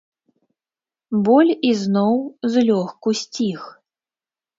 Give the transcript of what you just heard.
Боль ізноў злёгку сціх.